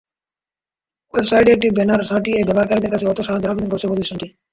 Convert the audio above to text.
ওয়েবসাইটে একটি ব্যানার সাঁটিয়ে ব্যবহারকারীদের কাছে অর্থ সাহায্যের আবেদন করেছে প্রতিষ্ঠানটি।